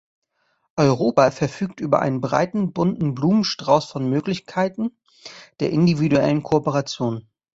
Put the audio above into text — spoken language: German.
Europa verfügt über einen breiten bunten Blumenstrauß von Möglichkeiten der individuellen Kooperation.